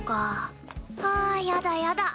はあやだやだ。